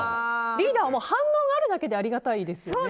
リーダーは反応があるだけでありがたいですよね。